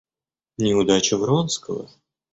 Неудача Вронского.